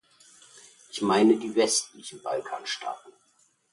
Ich meine die westlichen Balkanstaaten.